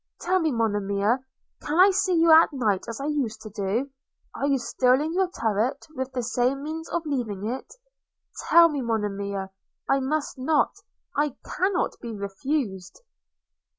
– Tell me, Monimia, can I see you at night as I used to do? – Are you still in your turret, with the same means of leaving it? – Tell me, Monimia, I must not – I cannot be refused.'